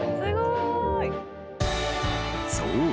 ［そう。